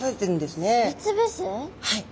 はい。